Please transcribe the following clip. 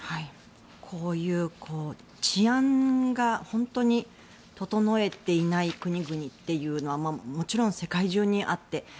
こういう治安が本当に整えていない国々というのはもちろん世界中にあって。